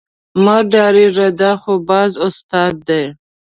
مه ډارېږئ دا خو باز استاد دی.